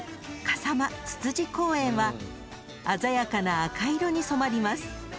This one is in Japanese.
笠間つつじ公園は鮮やかな赤色に染まります］